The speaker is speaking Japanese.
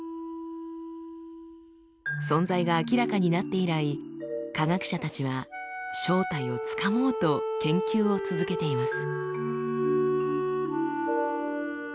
存在が明らかになって以来科学者たちは正体をつかもうと研究を続けています。